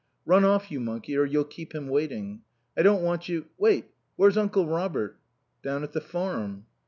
"Run off, you monkey, or you'll keep him waiting. I don't want you ... Wait ... Where's Uncle Robert?" "Down at the farm."